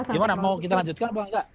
gimana mau kita lanjutkan apa enggak